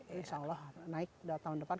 insya allah naik tahun depan